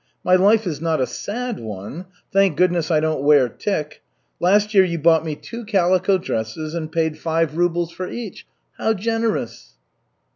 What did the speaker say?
"My life is not a sad one. Thank goodness I don't wear tick. Last year you bought me two calico dresses and paid five rubles for each. How generous!"